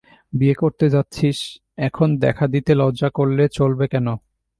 বিয়ে করতে যাচ্ছিস, এখন দেখা দিতে লজ্জা করলে চলবে কেন?